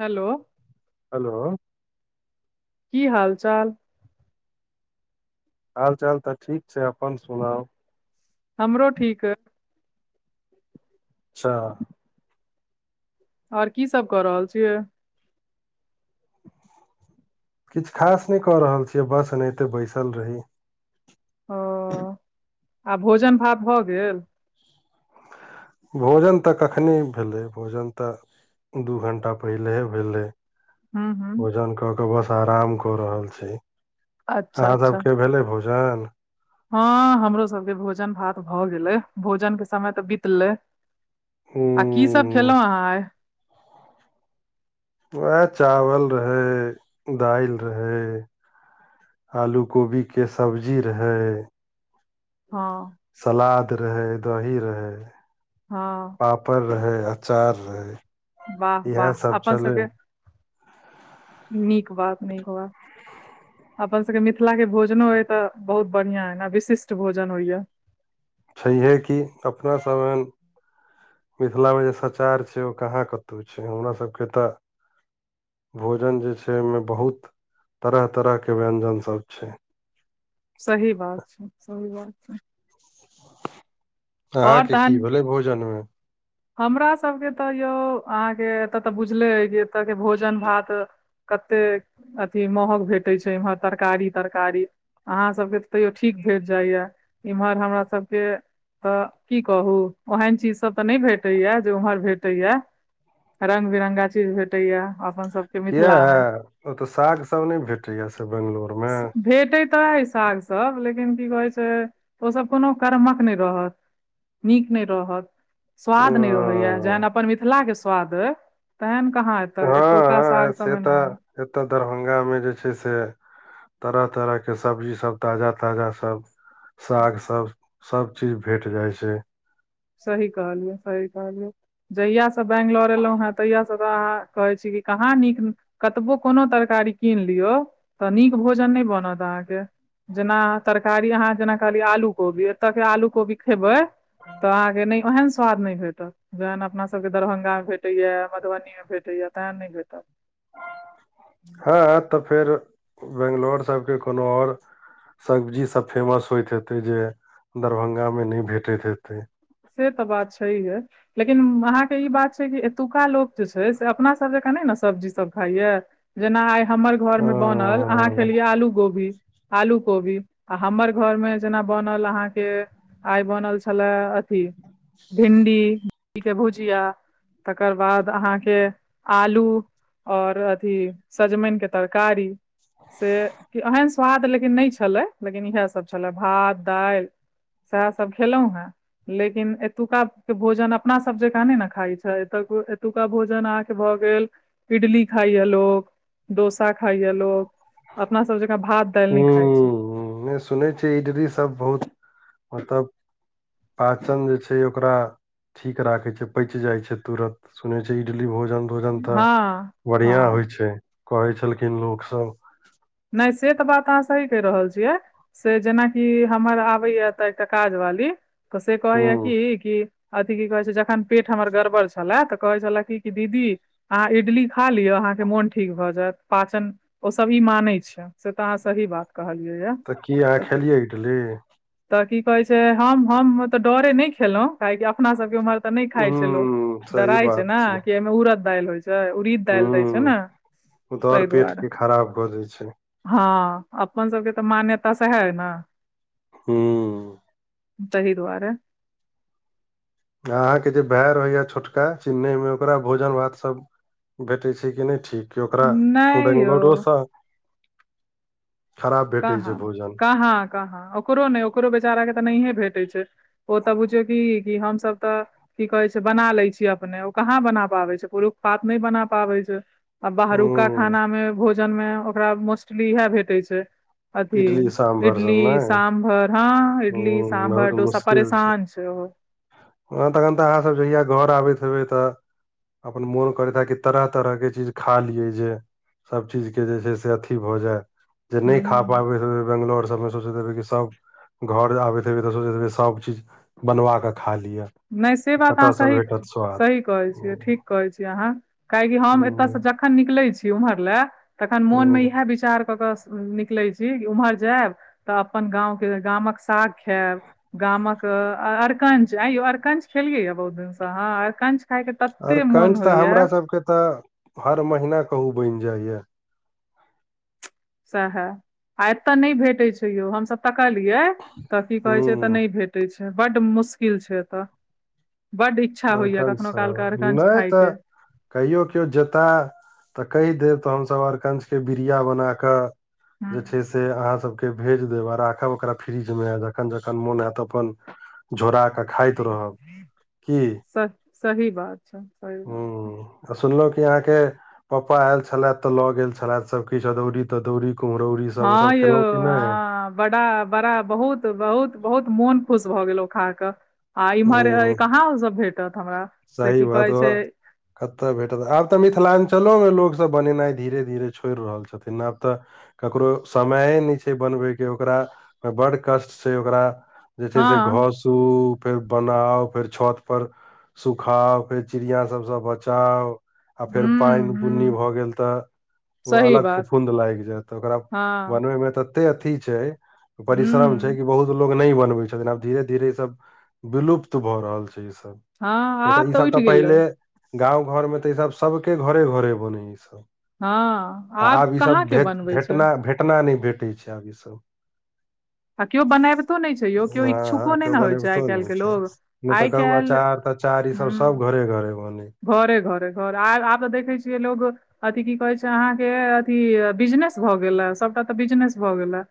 Hello hello की हाल चाल हाल चाल तऽ ठीक छै अपन सुनाउ हमरो ठीक ए सेह और की सब कऽ रहल छि किछ खास नहि कऽ रहल छी बस एनाहिते बैसल रही ओ आ भोजन भात भऽ गेल भोजन तऽ कखनि भेलै भोजन तऽ दू घण्टा पहिलेहे भेलै हूँ [inaudible] हूँ भजन कऽ क बस आराम कऽ रहल छी अच्छा अहाँ अच्छा सब केँ भेलै भोजन हँ हमरो सबकेँ भोजन भात भऽ गेलै भोजन केँ समय तऽ बितलै हूँ [inaudible] आ की सब खेलौ अहाँ आए वएह चावल रहै दाइल रहै आलू कोबी केँ सब्जी रहे हँ सलाद रहै दही रहै हँ पापड़ रहै अचार रहै वाह इएह वाह अपन सब छलै केँ [inaudible] नीक बात नीक बात अपन सब केँ मिथिला केँ भोजनो हय तऽ बहुत बढ़िया हऽ न विशिष्ट भोजन होइया छैहे कि अपना सब ओहेन मिथिलामे जे सचार छै ओ कहाँ कतहु छै हमरा सबकेँ तऽ भोजन जे छै ओमे बहुत तरह तरह के व्यंजन सब छै सही बात छै सही बात छै और अहाँकेँ की तहन भेलै भोजन मे हमरा सबके तऽ यौ अहाँकेँ एतय तऽ बुझले ऐ कि एतय केँ भोजन भात कते अथी महग भेटैत छै एम्हर तरकारी तरकारी अहाँ सभके तऽ तयो ठीक भेट जाइ य इम्हर हमर सभ केँ तऽ की कहू ओहेन चीज सब तऽ नहि भेट भेटे या जे उम्हर भेटेया रंग बिरंगा चीज भेट भेटै य अपन सबके किया मिथिलामे ओतऽ साग सब नहि भेटैया से बंगलोर मे भेटैत तऽ अइ साग सब लेकिन की कहै छै ओ सब कोनो क्रमक नहि रहत नीक नइ रहत स्वाद नै रहे यऽ ओ जहन अपन मिथिला केँ स्वाद तेहेन कहाँ एत तऽ एतुका साग सब मे नऽ एतय दरभंगामे जे छै से तरह तरह केँ सब्जी सब ताजा ताजा सब साग सब सब चीज भेट जाय छै सही कहलियौ सही कहलियै जहिया सँ बैंगलोर एलहु हे तहिया सँ तब तऽ अहाँ कहै छी कि कहाँ नीक कतबो कोनो तरकारी कीन लियौ तऽ नीक भोजन नहि बनत अहाँकेँ जेना तरकारी अहाँ जेना कहलियै आलू कोबी एतऽ केँ आलू कोबी खेबै तऽ अहाँके नहि ओहेन स्वाद नहि भेटत जेहन अपना सबके दरभंगा मे भेटैय य मधुबनी मे भेटे य तेहेन नहि भेटत हँ तऽ फेर बेंगलोर सबके कोनो आओर सब्जी सब फेमस होयइत हेते जे दरभंगा मे नहि भेटैत हेतै से तऽ बात छहिये लेकिन अहाँके ई बात छै कि एतुक्का लोक जे छै से अपना सभ जका नहि नऽ सब्जीसभ खाइ य जेना आइ हमर घरमे बनल अहाँ हँ, खेलियै आलू गोभी आलू कोबी आ हमर घर मे जेना बनल अहाँकेँ आइ बनल छले अथी भिडी [unintelligible] के भुजिया तकर बाद अहाँकेँ आलू और अथी सजमैन केँ तरकारी से एहेन स्वाद लेकिन नहि छलै लेकिन इहैसभ छलै भात दाइल सेहा सब खेलहु हेँ लेकिन एतुका के भोजन अपना सब जेकाँ नइ नऽ खाइ छै एत एतुका भोजन अहाँकेँ भऽ गेल इडली खाइ य लोक डोसा खाइ य लोक अपना सब जकाँ भात दाइल नै खाय छै हूँ नहि सुनै छै इडली सब बहुत मतलब पाचन जे छै ओकरा ठीक राखे छै पच जाय छै तुरत सुनै छै इडली भोजन भोजन तऽ हँ बढ़िया हँ होइ छै कहै छलखिन लोक सब नाइ से तऽ बात अहाँ सही कहि रहल छी जे से जेना की हमर अबै य एतऽ एकटा काज बाली क से कहैय हूँ य की की अथि की कहै छै जखन पेट हमर गड़बड़ छलै तऽ कहै छले की कि दीदी अहाँ इडली खा लिअ अहाँ केँ मोन ठीक भऽ जैत पाचन ओसभ ई मानै [unintelligible] से तऽ अहाँ सही बात कहलियै य तऽ की अहाँ खेलियै इटली तऽ की कहे छै हम हम तऽ डरे नहि खेलौ [unintelligible] अपना सब के उम्हर ते नहि खाय छै लोग हूँ सही डरााय छै बात ने किया ऐ मे उड़द दाइल होय छै उरीद हूँ दाइल दय छै ने ओ [inaudible] तऽ आओर तैऽ पेट दुआरे के खराब कऽ दै छै हँ अपन सब केँ तऽ मान्यता सेहा है नऽ [unintelligible] तहि दुआरे अहाँकेँ जे भाय रहैया छोटका चिन्नई मे ओकरा भोजन भात सब भेटै छै कि नहि ठीक कि ओकरा नहि यौ बेंगलोरोसँ [inaudible] खराब भेटै छै कहाँ भोजन कहाँ कहाँ ओकरो नहि ओकरो बेचारा के तऽ नहि भेटै छै ओ तऽ बुझौ की कि हम सब तऽ की कहै छै बना लै छिए अपने ओ कहाँ बना पाबै छै पुरुष पात नहि बना पाबै छै आ बाहरुका हूँ खाना में भोजन में ओकरा मोस्टली इएह भेटे छै अथी इडली साम्भर सब ने इटली सामभर हँ इडली हूँ साभर बहुत डोसा मुश्किल परेशान छै ओहो हँ तखन तऽ अहाँसभ जहिया घर आबैत हेबै तऽ अपन मोन करैत हा कि तरह तरह के चीज खा लियै जे सभ चीजकेँ जे छै से अथी भऽ जाय जे नहि खा हूँ पाबै बेैंगलोर सबमे सोचित हेबै कि सभ घर आबैत हेबे तऽ सोच हेे सब चीज [inaudible] बनवा कें खा लिय नहि से बात अहाँ सही [inaudible] सही कहैत छियै हूँ ठीक कहै छियै अहाँ काहेकि हम एतय हूँ सँ जखन निकलैत छी उम्हर लए तखन हूँ मोनमे इ एह विचार कऽ कऽ निकलैत छी ओम्हर जायब तऽ अपन गाँव केँ गामक साग खायब। गामक अरकंच आयो अरकंच खेलिये यऽ बहुत दिन सँ अहाँ अरकंच। खायके तते मोन अरकंच तऽ हमरा होइया सबके तऽ हर महीना कहू बैन जाए सएहे एतय नहि भेटैत छै यौ हमसभ तकलियै तऽ की कहे छै एतऽ हूँ नहि भेट छै बड मुशकिल छै एतय [inaudible] बड अखन सऽ नहि तऽ कहियओ केओ जेताह तऽ कहि देब तऽ हमसभ अरकंचन केँ बिरिया बना कऽ जे हूँ छै से अहाँसभ केँ केँ भेज देब आ राखब ओकरा फ्रिजमे जखन जखन मोन होयत अपन झोरा कऽ खाइत रहब की [inaudible] स सही बात छै सही बात छै सुनलौ कि अहाँ केँ पाप्पा ऐल छलैथ तऽ लऽ गेल छलैथ सब किछ अदौरी तदौरी कुमहरौरी हँ यौ हँ बड़ा बड़ा बहुत बहुत बहुत मोन खुश भऽ गेलैं ओ खाकऽ आ इमहर हूँ कहाँ उऽ सब भेटथ [inaudible] सही बात ओ कतय भेटत आब तऽ मिथिलांचल मऽ लोकसभ बनेनाइ धीरे धीरे छोड़ि रहल छथिन आब तऽ ककरो समय नहि छै बनबय केँ ओकरा बड कष्टसँ ओकरा [unintelligible] हँ घासू फेर बनाउ फेर छत पर सुखाउ फेर चिड़िया सभसँ बचाउ आ फेर हूँ पाइन बुन्नी हूँ भऽ गेल तऽ ओ सही अलग बात फुफुंद लागि जाय त ओकरा हँ बनवे मे तते अथी छै परिश्रम छै कि हूँ या कि बहुत लोग नहि बनबै छथिन आब धीरे धीरे ई सब विलुप्त भऽ रहल छै ई सब हँ नहि तऽ आब ई सब तऽ उठि गेलै पहिले गाँव घर मे तऽ ई सब सबके घरे घरे बने ई सब हँ आ आब ईसभ कहाँ केओ भेट बनबै छै भेटना भेटना नहि भेटै छै आब ईसभ [inaudible] आ केओ बनाबितो नहि छै यौ केओ हँ इच्छुको हँ नै केओ ने होइ छै आइ बनबितो काल्हि नहि के छै लोग नहि तऽ आइ कहू काल्हि अचार ई सब हूँ सब घरे घरे बनै घरे घरे घरे आ आब तऽ देखै छियै लोग अथि की कहैत छै अहाँके अथि बिजनेस भऽ गेलए सभटा तऽ बिजनेस भऽ गेलए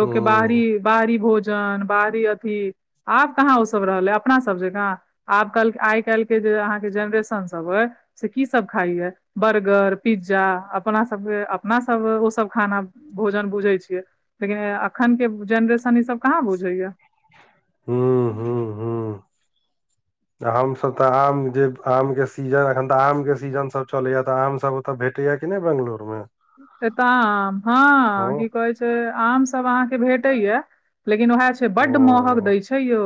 हूँ बाहरी बाहरी भोजन बाहरी अथि आब कहाँ ओ सब रहलै अपना सब जेका आब आइ काल्ह केहर ससब [unintelligible] से की सब खाइय बर्गर पिज्जा अपना सबके अपना सब ओ सब खाना भोजन बुझैे छिये लेकिन अखन के जेनरेशन ई सब कहाँ बुझे या हूँ ह्म [inaudible] हूँ हूँ हमसभ तऽ आम जे आम के सीजन एखन तऽ आम के सीजन सब चलैया तऽ आमसभ तऽ भेटैया कि नै बेैंगलुर मे एताऽ आम हँ की कहै छै आमसभ अहाँके भेटैएा लेकिन उएह छै बड्ड महग ओ दै छै यौ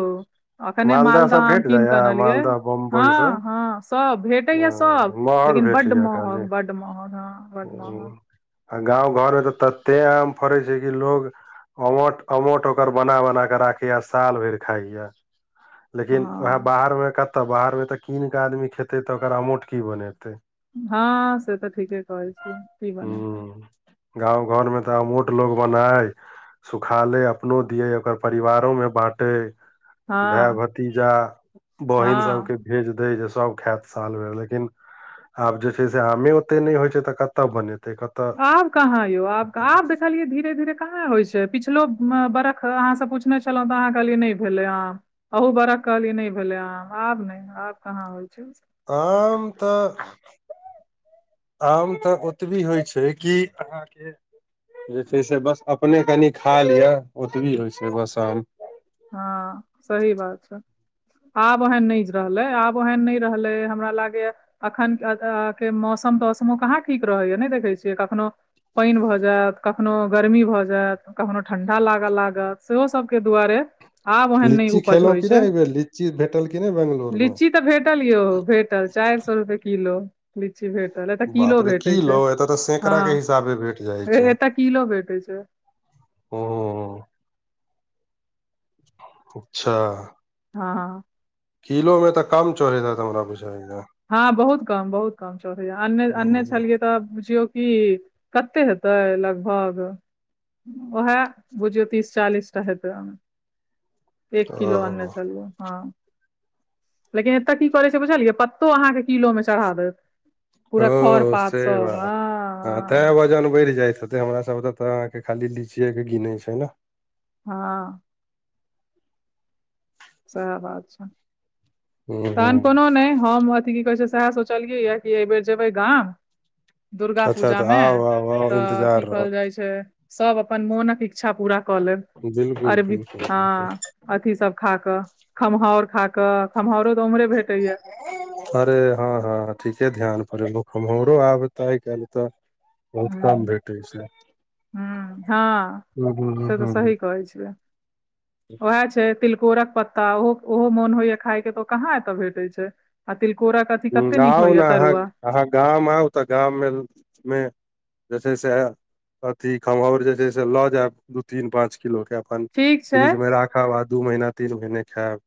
अखने मालदह मालद सब आम भेट कीन जाया कऽ अनलियै मालदह हँ बम्बई सब हँ सब भेटैएा सब हँ महग लेकिन बड भेटैया खाली महग बड महग हँ बड महग आ गाव घरमे तते आम फरैय छैय की लोग ओमट अमोट ओकर बना बना क राखैया साल भरि खाइया लेकिन वेह हँ बाहर मे कतअ बाहरमे तऽ कीन कऽ आदमी खेत तऽ ओकर अमोट की बनेतय। हँ, से तऽ ठीके कहै छियै की बनेतै हूँ गाँव घर मे तऽ अमूठ लोग बनाय सुखालै अपनो दियै ओकर परिवारोमे बाँटै। हँ भाय भतीजा बहिन हँ सबके भेज देै जे सब खायत साल भैर लेकिन आब जे छै से आमे ओते नहि होइ छै तऽ कतऽ बनेतै कत आब कहाँ यौ आब कह आब देख कहलियै धीरे-धीरे कहाँ होइ छै, पिछलो बर्ख अहाँसँ पूछने छलौं तऽ अहाँ कहलियै नै भेलै हँ। अहू बड़ख कहलियै नै भेलै आ आब नै आब कहाँ होइ छै। आम तऽ आम तऽ ओतबी होइ छै कि अहाँके जे छै से बस अपने कनि खा लिअ ओतबी होइ छै बस आम हँ, सही बात छै। आब ओहन नै रहलै आब ओहन नै रहलै हमरा लागैएा। एखन के मौसम तौसमो कहाँ ठीक रहैएा नै देखै छियै कखनो पानि भऽ जायत कखनो गर्मी भऽ जायत कखनो ठंडा लागऽ लागत सेहो सबके दुआरे आब ओहन नै लीची उपज खेलहुँ होइ कि छै नहि एहिबेर लीची भेटल कि नहि बंगलोर मे लीची तऽ भेटल यौ भे लऽ, चारि सए रुपैये किलो। लीची भेटल एतय किलो बाप रे भेटै छै किलो एतऽ तऽ सैकड़ा हँ के हिसाबे भेट जाइ छै एतय किलो भेटै छै। ह [unintelligible] अच्छा हँ किलो मे तऽ कम चरहि हेऽत हमरा पुझाइया हँ बहुत कम बहुत कम चरहिया अन्ने अने ओ छलियै तब बुझियौ कि कते हेतै लगभग ओएह बुझियौ तीस चालीसटा हेतै अ एक किलो आनने छलियै हँ लेकिन एतय की करै छै बुझलियै ओ अहाँके किलो मे चढ़ा देत पूरा खर ओ पात से सब बात तें हँ वजन बढ़ि जाइत ह तें हमरा सब ओतऽ त आंहा के खाली लीचियए के गिनै छै ने हँ सएह बात छै हूं हूं तहन कोनो नहि हम अथि की कहै छै सएह सोचलियैया कि एहि बेेर जेबै गाम दुर्गा अच्छा पूजा अच्छा मे आउ आउ आउ तऽ इन्तजार की रहल कहल जाइ छै सब अपन मोनक इच् छा पूरा कऽ लेब बिल्कुल अरबी बिल्कुल बिल्कुल हँ अथी सब खाक खमहाउर खाकऽ खमहाउरो तो उम्हरे भेटैया [unintelligible] अरे हँ हँ ठीके ध्यान परड़ ओ खमहौरो आब तऽ आइ काल्हि तऽ बहुत कम भेटै छै ह हँ हूँ हूँ हूँ से तऽ हूँ हूँ। सही कहै छियै ओएह छै तिलकोरक पत्ता ओ ओहो मोन होइया खाय के तऽ ओ कहाँ एतऽ भेटे छै आ तिलकोरक अथी हं कते नीक आउ होइया ने अहाँ तरुआ अहाँ गाम आउ तऽ गाममे मे जे छै से अथी खमहौर जे छै से लऽ जायब तीन पाँच किलो के अपन ठीक छै फ्रिज में राखब आ दू महीना तीन महीने खायब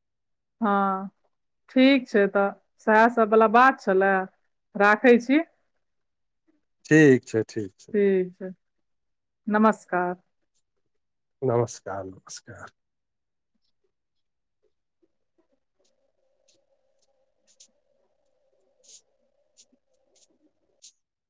हँ ठीक छै तऽ सएह सब बला बात छलए राखै छी ठीक छै ठीक छै ठीक छै नमस्कार नमस्कार नमस्कार